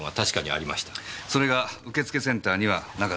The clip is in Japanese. それが受付センターにはなかった。